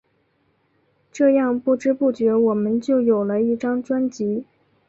这样不知不觉我们就有了一张专辑。